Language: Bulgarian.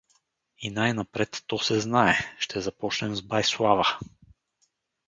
— И най-напред, то се знае, ще започнем с бай Слава.